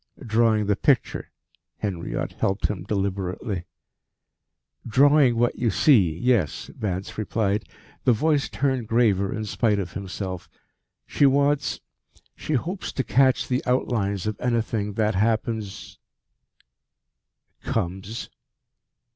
"Drawing the picture," Henriot helped him deliberately. "Drawing what you see, yes," Vance replied, the voice turned graver in spite of himself. "She wants she hopes to catch the outlines of anything that happens " "Comes."